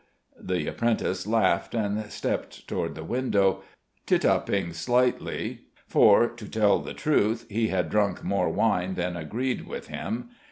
The apprentice laughed and stepped toward the window, tittuping slightly; for (to tell the truth) he had drunk more wine than agreed with him.